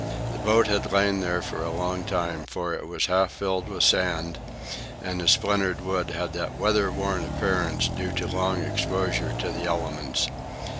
The boat had lain there for a long time, for it was half filled with sand, and the splintered wood had that weather worn appearance due to long exposure to the elements.